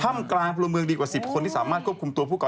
ถ้ำกลางภูมิเมืองดีกว่า๑๐คนที่สามารถควบคุมตัวผู้ก่อเหตุ